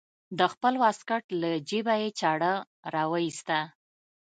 د خپل واسکټ له جيبه يې چاړه راوايسته.